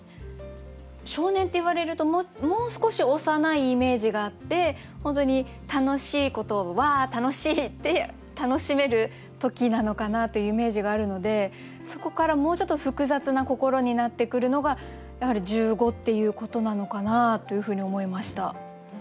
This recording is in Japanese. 少年っていわれるともう少し幼いイメージがあって本当に楽しいことを「わあ！楽しい！」って楽しめる時なのかなというイメージがあるのでそこからもうちょっと複雑な心になってくるのがやはり「十五」っていうことなのかなというふうに思いました。